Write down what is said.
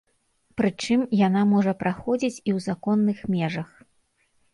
Прычым, яна можа праходзіць і ў законных межах.